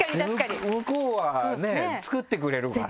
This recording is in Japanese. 向こうはね作ってくれるから。